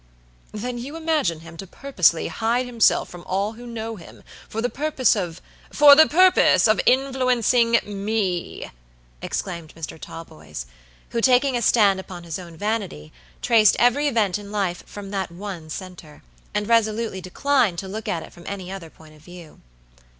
"Then you imagine him to purposely hide himself from all who know him, for the purpose of" "For the purpose of influencing me," exclaimed Mr. Talboys, who, taking a stand upon his own vanity, traced every event in life from that one center, and resolutely declined to look at it from any other point of view.